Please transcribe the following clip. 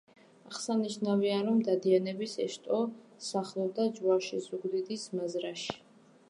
აღსანშნავია, რომ დადიანების ეს შტო სახლობდა ჯვარში, ზუგდიდის მაზრაში.